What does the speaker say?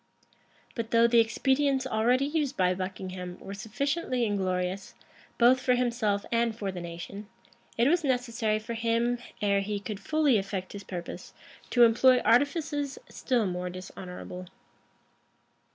But though the expedients already used by Buckingham were sufficiently inglorious, both for himself and for the nation, it was necessary for him, ere he could fully effect his purpose, to employ artifices still more dishonorable.